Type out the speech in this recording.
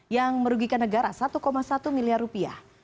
yang merugikan negara satu satu miliar rupiah